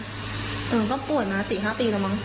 มันก็ป่วยมา๔๕ปีแล้วมั้ง